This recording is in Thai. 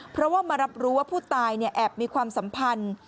เพราะว่ามารับรู้ว่าผู้ตายแอบมีความสัมพันธ์